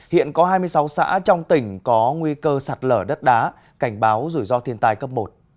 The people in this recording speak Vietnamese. hiện có hai mươi sáu xã trong tỉnh có nguy cơ sạt lở đất đá cảnh báo rủi ro thiên tai cấp một